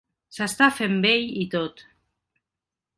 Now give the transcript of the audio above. s'està fent vell i tot